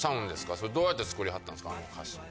それどうやって作りはったんですかあの歌詞は。